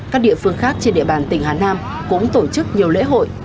các địa phương khác trên địa bàn tỉnh hà nam cũng tổ chức nhiều lễ hội